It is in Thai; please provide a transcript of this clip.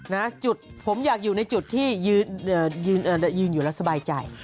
นะจุดผมอยากอยู่ในจุดที่ยืนอยู่แล้วสบายใจ